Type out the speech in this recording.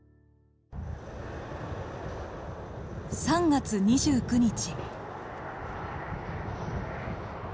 ３月２９日。